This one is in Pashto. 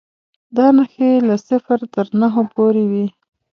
دا نښې له صفر تر نهو پورې وې.